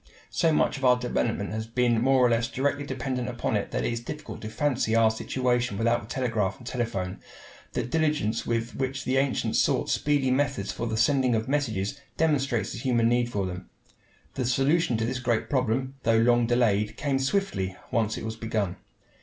So much of our development has been more or less directly dependent upon it that it is difficult to fancy our situation without the telegraph and telephone. The diligence with which the ancients sought speedy methods for the sending of messages demonstrates the human need for them. The solution of this great problem, though long delayed, came swiftly, once it was begun.